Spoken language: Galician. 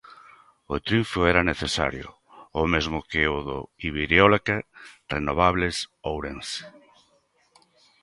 O triunfo era necesario, o mesmo que o do Ibereólica Renovables Ourense.